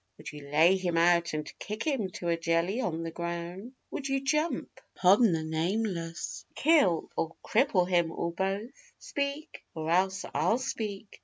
Would you lay him out and kick him to a jelly on the ground? Would you jump upon the nameless kill, or cripple him, or both? Speak? or else I'll SPEAK!